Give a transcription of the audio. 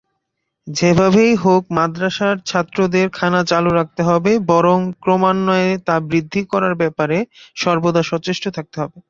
যেভাবেই হোক মাদরাসার ছাত্রদের খানা চালু রাখতে হবে বরং ক্রমান্বয়ে তা বৃদ্ধি করার ব্যাপারে সর্বদা সচেষ্ট থাকতে হবে।